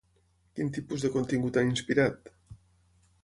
Quin tipus de contingut han inspirat?